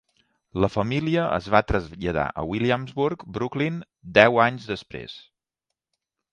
La família es va traslladar a Williamsburg, Brooklyn, deu anys després.